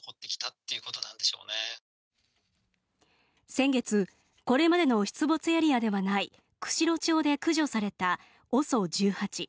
先月、これまでの出没エリアではない釧路町で駆除されたＯＳＯ１８。